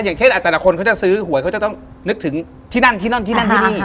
อย่างเท้นอาทรณะคนเขาจะซื้อหวย๒๐๒๐ก็จะต้องนึกถึงที่นั่นที่นี่